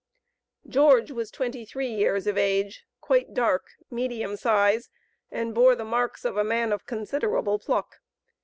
George was twenty three years of age, quite dark, medium size, and bore the marks of a man of considerable pluck.